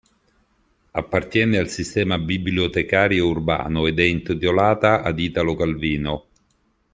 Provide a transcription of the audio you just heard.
Appartiene al Sistema bibliotecario urbano ed è intitolata ad Italo Calvino.